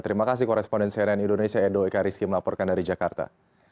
terima kasih koresponden cnn indonesia edo ekariski melaporkan dari jakarta